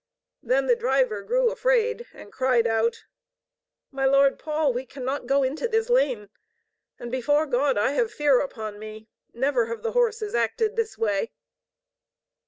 Then the driver grew afraid, and cried out: "My Lord Paul, we cannot go into this lane. And before God, I have fear upon me! Never have the horses acted this way."